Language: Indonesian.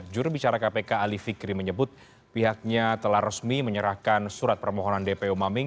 jurubicara kpk ali fikri menyebut pihaknya telah resmi menyerahkan surat permohonan dpo maming